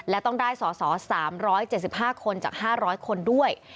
และต้องได้สอสอ๓๗๕คนจาก๕๐๐คนด้วย